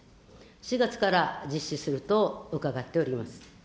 ４月から実施すると伺っております。